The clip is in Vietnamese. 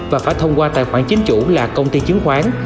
và phải thông qua tài khoản chính chủ là công ty chứng khoán